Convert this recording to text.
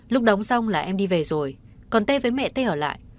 lúc đóng xong là em đi về rồi còn t với mẹ t ở lại